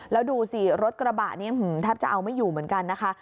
แล้วดูสิรถกระบะนี้แทบจะเอาไม่อยู่เหมือนกันนะคะ